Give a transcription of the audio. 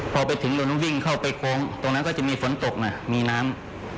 พอไปถึงหนูต้องวิ่งเข้าไปโค้งตรงนั้นก็จะมีฝนตกนะมีน้ำ